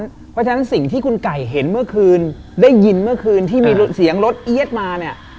เพราะฉะนั้นสิ่งที่คุณไก่เห็นเมื่อคืนได้ยินเมื่อคืนที่มีเสียงรถเอี๊ยดมาเนี่ย